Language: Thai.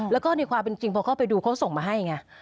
แล้วก็ในความเป็นจริงพอเข้าไปดูเขาส่งมาให้ไง